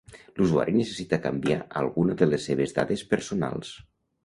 L'usuari necessita canviar alguna de les seves dades personals.